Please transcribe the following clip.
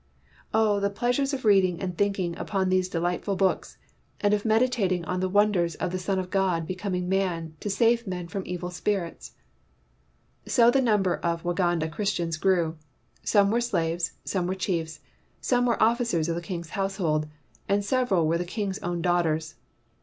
Oh, the pleasure of reading and thinking upon these delightful books, and of meditating on the wonders of the Son of God becoming man to save men from evil spirits !'' So the number of Waganda Christians grew. Some were slaves, some were chiefs, some were officers of the king's household, and several were the king's own daughters.